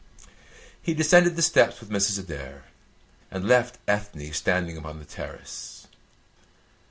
He descended the steps with Mrs. Adair, and left Ethne standing upon the terrace.